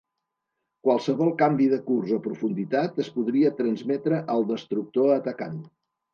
Qualsevol canvi de curs o profunditat es podria transmetre al destructor atacant.